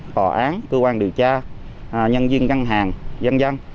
tòa án cơ quan điều tra nhân viên ngân hàng